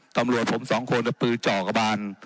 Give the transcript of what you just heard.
ตำรวจผม๒คนระปือเจาะกระบาน